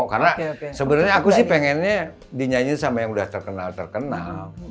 karena sebenarnya aku sih pengennya dinyanyiin sama yang udah terkenal terkenal